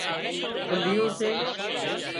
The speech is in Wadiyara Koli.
ڪنڍيون سي